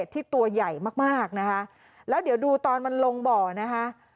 ที่ตัวใหญ่มากมากนะคะแล้วเดี๋ยวดูตอนมันลงบ่อนะคะ